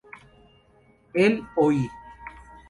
El Oi!